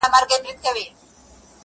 • پر جل وهلي زړه مي ډکه پیمانه لګېږې -